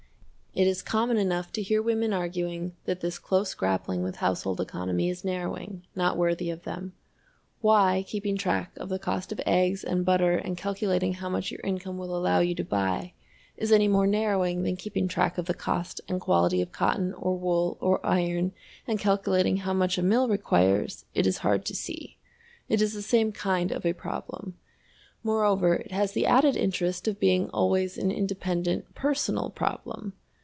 It is common enough to hear women arguing that this close grappling with household economy is narrowing, not worthy of them. Why keeping track of the cost of eggs and butter and calculating how much your income will allow you to buy is any more narrowing than keeping track of the cost and quality of cotton or wool or iron and calculating how much a mill requires, it is hard to see. It is the same kind of a problem. Moreover, it has the added interest of being always an independent personal problem.